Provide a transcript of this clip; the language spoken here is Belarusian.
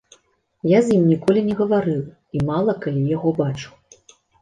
Я з ім ніколі не гаварыў і мала калі яго бачыў.